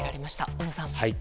小野さん。